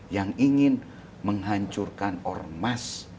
yang ingin menghancurkan ormas